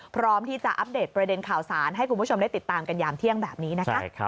พร้อมที่จะอัปเดตประเด็นข่าวสารให้คุณผู้ชมได้ติดตามกันยามเที่ยงแบบนี้นะคะ